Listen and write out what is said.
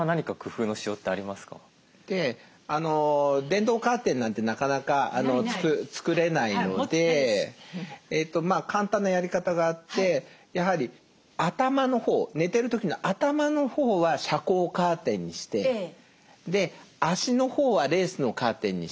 電動カーテンなんてなかなか作れないので簡単なやり方があってやはり頭の方寝てる時の頭の方は遮光カーテンにしてで足の方はレースのカーテンにして。